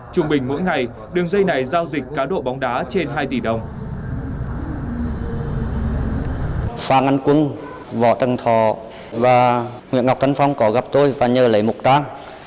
trung bình mỗi ngày đường dây này giao dịch cá độ bóng đá trên hai tỷ đồng